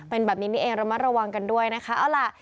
เป็นแบบนี้นี่เองเรามาระวังกันด้วยนะคะ